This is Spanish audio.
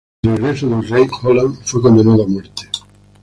Al regreso del rey, Holland fue condenado a muerte.